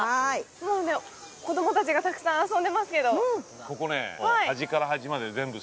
もうね子供達がたくさん遊んでますけどここね